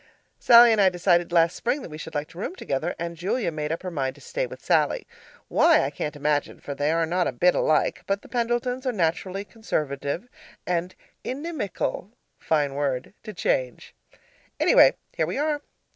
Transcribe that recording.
Sallie and I decided last spring that we should like to room together, and Julia made up her mind to stay with Sallie why, I can't imagine, for they are not a bit alike; but the Pendletons are naturally conservative and inimical (fine word!) to change. Anyway, here we are.